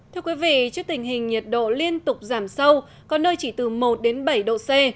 thưa quý vị trước tình hình nhiệt độ liên tục giảm sâu có nơi chỉ từ một đến bảy độ c